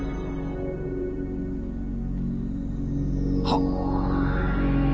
あっ！